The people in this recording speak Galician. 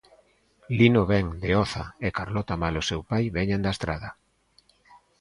Lino vén de Oza, e Carlota mailo seu pai veñen da Estrada.